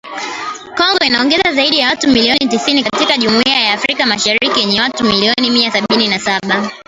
Kongo inaongeza zaidi ya watu milioni tisini katika Jumuiya ya Afrika Mashariki yenye watu milioni mia sabini na saba.